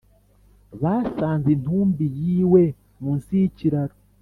Basanze intumbi yiwe munsi yikiraro